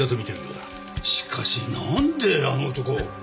しかしなんであの男を？